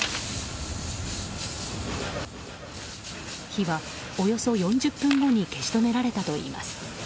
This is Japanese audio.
火はおよそ４０分後に消し止められたといいます。